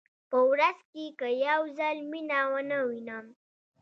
په ورځ کې که یو ځل مینه ونه وینم.